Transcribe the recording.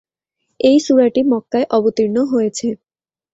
এই সূরাটি মক্কায় অবতীর্ণ হয়েছে।